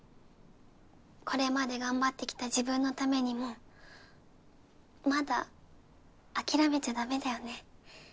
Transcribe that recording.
これまで頑張ってきた自分のためにもまだ諦めちゃダメだよね